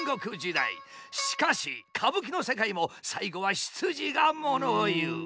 しかし歌舞伎の世界も最後は出自が物を言う。